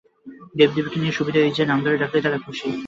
দেবদেবীদের নিয়ে সুবিধে এই যে, নাম ধরে ডাকলেই তাঁরা খুশি।